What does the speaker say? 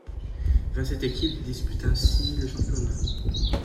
Vingt-sept équipes disputent ainsi le championnat.